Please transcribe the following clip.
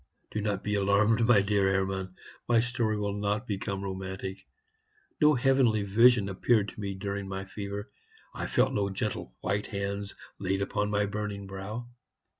Do not be alarmed, my dear Hermann; my story will not become romantic. No heavenly vision appeared to me during my fever; I felt no gentle white hands laid on my burning brow.